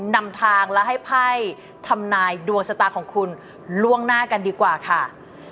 นำทางและให้ไพ่ทำนายดวงชะตาของคุณล่วงหน้ากันดีกว่าค่ะ